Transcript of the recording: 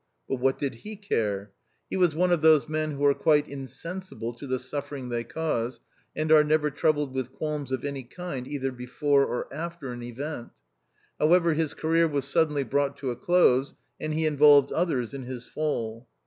But what did he care % He was one of those men who are quite insen sible to the suffering they cause, and are never troubled with qualms of any kind either before or after an event. However, his career was suddenly brought to a close, and he involved others in his fall.